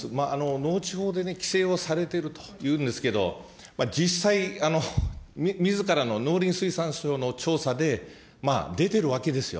農地法でね、規制をされているというんですけど、実際、みずからの農林水産省の調査で、出てるわけですよ。